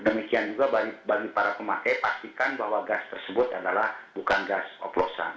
demikian juga bagi para pemakai pastikan bahwa gas tersebut adalah bukan gas oplosan